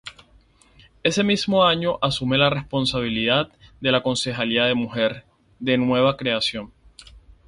Ese mismo año asume la responsabilidad de la concejalía de Mujer, de nueva creación.